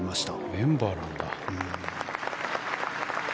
メンバーなんだ。